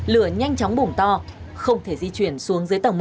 lửa nhanh chóng bùng to không thể di chuyển xuống dưới tầng một